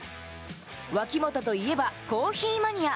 脇本といえばコーヒーマニア。